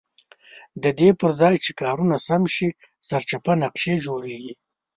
ددې پرځای چې کارونه سم شي سرچپه نقشې جوړېږي.